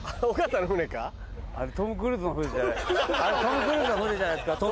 あれトム・クルーズの船じゃないですか？